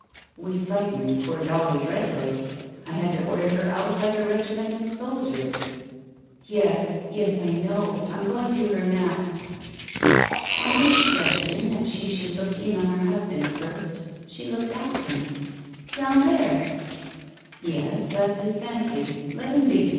" We frightened poor Dolly dreadfully. I had to order her out like a regiment of soldiers." "Yes, I know. I'm going to her now." On his suggestion that she should look in) on her husband first she looked askance. "Down there!" "Yes, that's his fancy. Let him be.